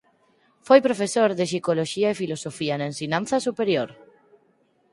Foi profesor de psicoloxía e filosofía na ensinanza superior.